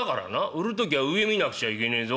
売るときゃ上見なくちゃいけねえぞ」。